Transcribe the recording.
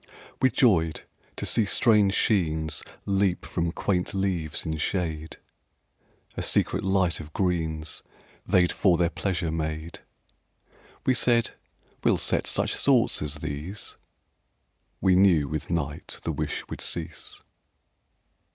We joyed to see strange sheens Leap from quaint leaves in shade; A secret light of greens They'd for their pleasure made. We said: "We'll set such sorts as these!" —We knew with night the wish would cease.